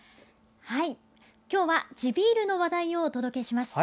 今日は地ビールの話題をお届けします。